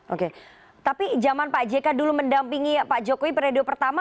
oke tapi zaman pak jk dulu mendampingi pak jokowi periode pertama